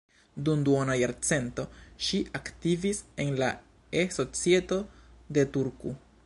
Dum duona jarcento ŝi aktivis en la E-Societo de Turku.